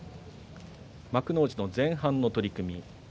幕内前半の取組